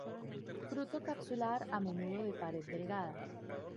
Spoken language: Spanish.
Fruto capsular, a menudo de pared delgada.